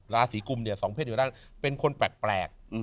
ราศีกุมเนี่ยสองเพศอยู่ด้านเป็นคนแปลก